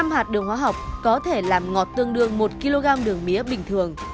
năm hạt đường hóa học có thể làm ngọt tương đương một kg đường mía bình thường